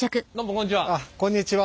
こんにちは。